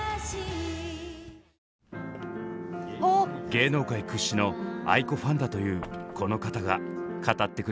芸能界屈指のａｉｋｏファンだというこの方が語ってくれました。